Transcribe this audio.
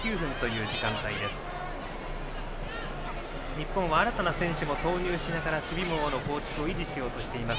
日本は新たな選手も投入しながら守備網の構築を維持しようとしています。